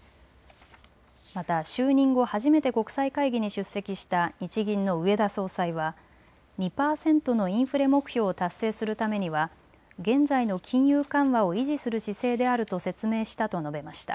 また就任後、初めて国際会議に出席した日銀の植田総裁は２％のインフレ目標を達成するためには現在の金融緩和を維持する姿勢であると説明したと述べました。